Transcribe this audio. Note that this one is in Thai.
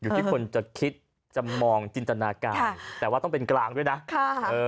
อยู่ที่คนจะคิดจะมองจินตนาการแต่ว่าต้องเป็นกลางด้วยนะ